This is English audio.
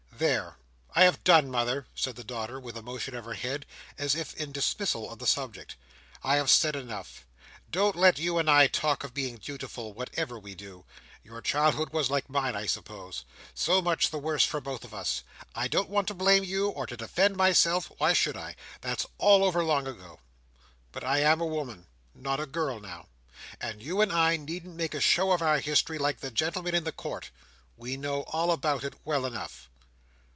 "There! I have done, mother," said the daughter, with a motion of her head, as if in dismissal of the subject. "I have said enough. Don't let you and I talk of being dutiful, whatever we do. Your childhood was like mine, I suppose. So much the worse for both of us. I don't want to blame you, or to defend myself; why should I? That's all over long ago. But I am a woman—not a girl, now—and you and I needn't make a show of our history, like the gentlemen in the Court. We know all about it, well enough."